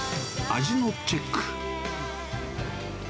味のチェック。